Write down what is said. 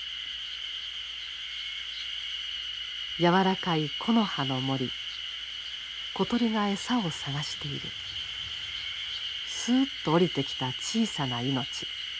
「柔らかい木の葉の森小鳥が餌を探しているすっと下りてきた小さな命。